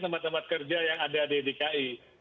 tempat tempat kerja yang ada di dki